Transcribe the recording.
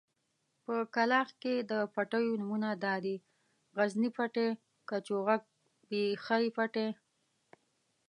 په کلاخ کې د پټيو نومونه دادي: غزني پټی، کچوغک، بېخۍ پټی.